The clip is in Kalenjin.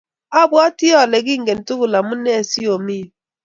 abwatii ale kingentugul amune siomii yu.